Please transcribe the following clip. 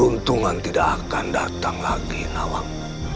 beruntungan tidak akan datang lagi nawang